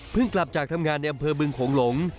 กลับจากทำงานในอำเภอบึงโขงหลง